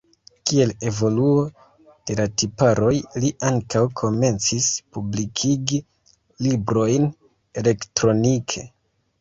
Kiel evoluo de la tiparoj li ankaŭ komencis publikigi librojn elektronike.